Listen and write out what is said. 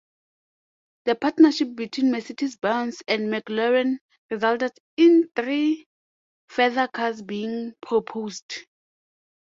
The partnership between Mercedes-Benz and McLaren resulted in three further cars being proposed.